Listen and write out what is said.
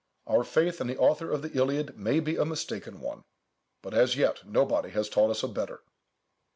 Our faith in the author of the Iliad may be a mistaken one, but as yet nobody has taught us a better.